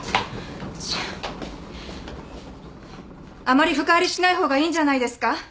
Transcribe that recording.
あまり深入りしない方がいいんじゃないですか？